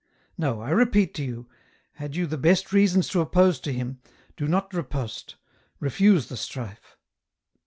" No ; I repeat to you, had you the best reasons to oppose to him, do not riposte, refuse the strife."